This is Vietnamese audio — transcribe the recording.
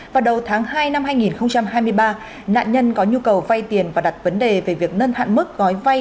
vào đầu tháng hai năm hai nghìn hai mươi ba nạn nhân có nhu cầu vay tiền và đặt vấn đề về việc nâng hạn mức gói vay